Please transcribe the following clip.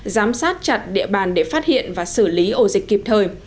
giám sát chặt địa bàn để phát hiện và xử lý ổ dịch kịp thời